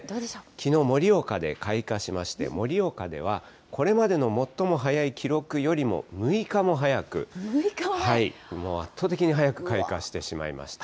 きのう、盛岡で開花しまして、盛岡ではこれまでの最も早い記録よりも６日も早く、圧倒的に早く開花してしまいました。